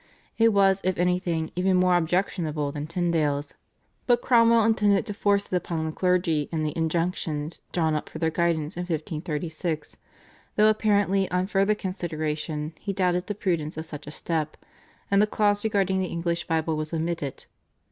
It was if anything even more objectionable than Tyndale's, but Cromwell intended to force it upon the clergy in the /Injunctions/ drawn up for their guidance in 1536, though apparently on further consideration he doubted the prudence of such a step, and the clause regarding the English Bible was omitted.